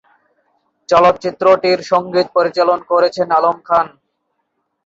চলচ্চিত্রটির সঙ্গীত পরিচালন করেছেন আলম খান।